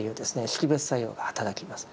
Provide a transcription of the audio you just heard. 識別作用が働きます。